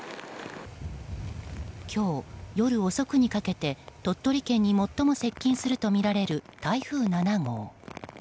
今日夜遅くにかけて鳥取県に最も接近するとみられる台風７号。